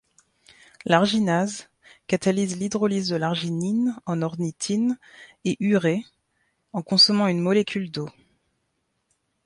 L'arginase catalyse l'hydrolyse de l'arginine en ornithine et urée en consommant une molécule d'eau.